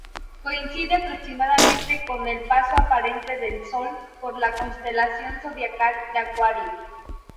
Coincide aproximadamente con el paso aparente del Sol por la constelación zodiacal de Acuario.